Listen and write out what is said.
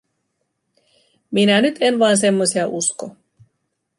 Minä nyt en vaan semmoisia usko.